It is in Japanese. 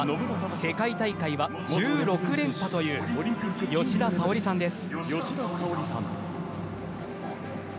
世界大会は１６連覇という吉田沙保里さんです。